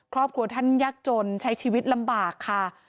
ครอบครัวท่านยากจนใช้ชีวิตลำบากค่ะ